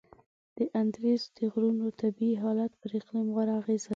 د اندیز د غرونو طبیعي حالت پر اقلیم غوره اغیزه لري.